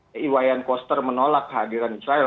huyen koster menolak hadirat israel